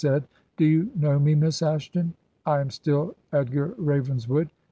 . said/Doyouknowme, Miss Ashton? I am still Edgar Ravenswood.'